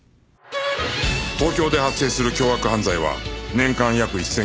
東京で発生する凶悪犯罪は年間約１０００件